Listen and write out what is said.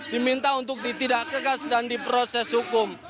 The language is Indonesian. diminta untuk ditidak kekas dan diproses hukum